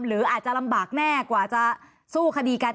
หรืออาจจะลำบากแน่กว่าจะสู้คดีกัน